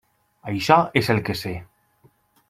Això és el que sé.